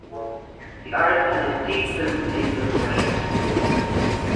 The artist had a deep sympathy for the Prussian king.